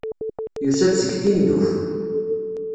Yusa-d seg Tinduf.